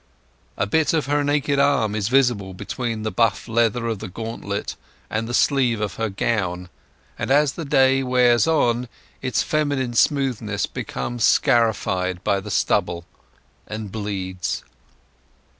A bit of her naked arm is visible between the buff leather of the gauntlet and the sleeve of her gown; and as the day wears on its feminine smoothness becomes scarified by the stubble and bleeds.